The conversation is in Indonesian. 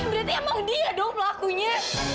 berarti emang dia dong pelakunya